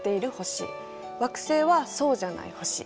惑星はそうじゃない星。